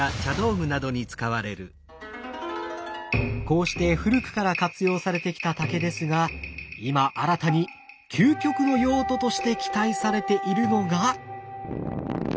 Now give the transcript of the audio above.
こうして古くから活用されてきた竹ですが今新たに究極の用途として期待されているのが。